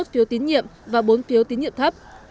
hai mươi phiếu tín nhiệm và bốn phiếu tín nhiệm thấp